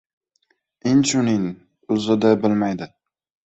Inchunin, o‘zi-da bilmaydi.